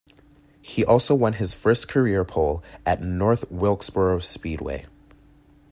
He also won his first career pole at North Wilkesboro Speedway.